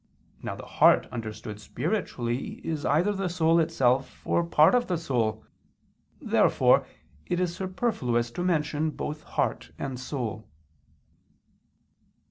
Now the heart understood spiritually is either the soul itself or part of the soul. Therefore it is superfluous to mention both heart and soul.